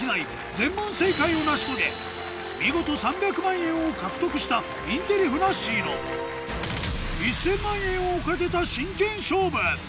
全問正解を成し遂げ見事したインテリふなっしーの１０００万円を懸けた真剣勝負！